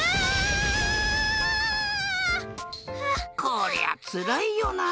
こりゃつらいよな。